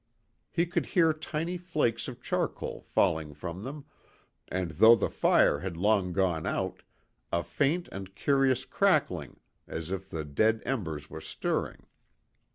He could hear tiny flakes of charcoal falling from them, and though the fire had long gone out, a faint and curious crackling, as if the dead embers were stirring.